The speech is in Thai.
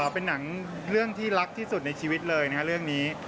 เป็นหนังเรื่องที่รักที่สุดในชีวิตเลยนะครับเรื่องนี้